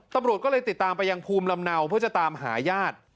ตำรวจก็เลยติดตามไปยังภูมิลำเนาเพื่อจะตามหาญาติ